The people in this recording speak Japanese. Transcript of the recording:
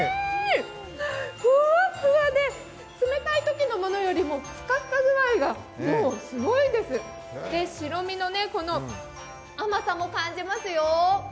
ふわふわで、冷たいときのものよりも、ふかふか具合がもうすごいです白身の甘さも感じますよ。